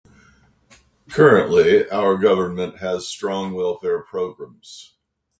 Currently, our government has strong welfare programs.